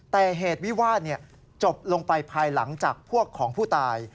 แต่เหตุวิวาสจบลงไปภายหลังจากพวกของผู้ตาย